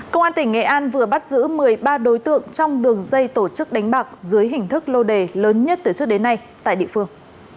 công an tỉnh nghệ an vừa bắt giữ một mươi ba đối tượng trong đường dây tổ chức đánh bạc dưới hình thức lô đề lớn nhất từ trước đến nay tại địa phương